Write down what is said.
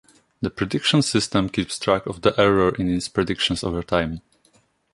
The prediction system keeps track of the error in its predictions over time.